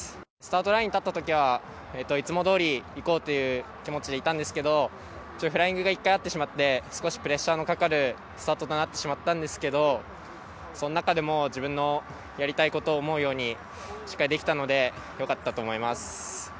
スタートラインに立ったときにはいつもどおりいこうという気持ちでいたんですがフライングが１回あってしまって少しプレッシャーのかかるスタートになってしまったんですがその中でも自分のやりたいことを思うようにしっかりできたのでよかったと思います。